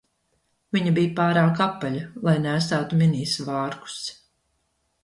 Viņa bija pārāk apaļa, lai nēsātu mini svārkus